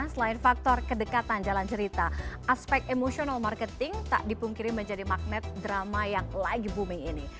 selain faktor kedekatan jalan cerita aspek emosional marketing tak dipungkiri menjadi magnet drama yang lagi booming ini